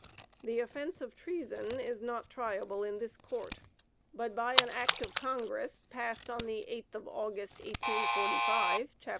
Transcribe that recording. The offence of treason is not triable in this Court; but by an act of Congress, passed on the 8th of August, 1845, Chap.